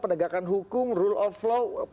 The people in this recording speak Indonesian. penegakan hukum rule of law